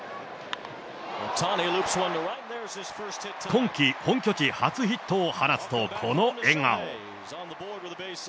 今季本拠地初ヒットを放つと、この笑顔。